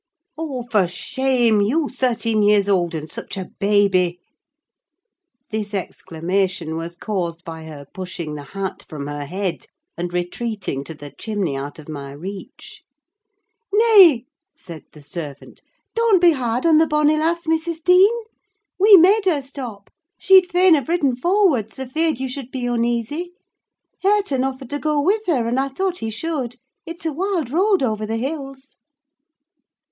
Oh, for shame! You thirteen years old, and such a baby!" This exclamation was caused by her pushing the hat from her head, and retreating to the chimney out of my reach. "Nay," said the servant, "don't be hard on the bonny lass, Mrs. Dean. We made her stop: she'd fain have ridden forwards, afeard you should be uneasy. Hareton offered to go with her, and I thought he should: it's a wild road over the hills."